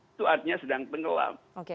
itu artinya sedang tenggelam